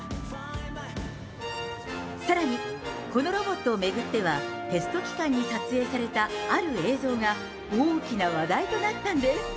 さらに、このロボットを巡っては、テスト期間に撮影されたある映像が、大きな話題となったんです。